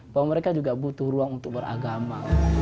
bahwa mereka juga butuh ruang untuk beragama